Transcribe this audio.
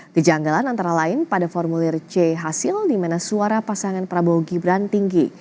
kejanggalan antara lain pada formulir c hasil di mana suara pasangan prabowo gibran tinggi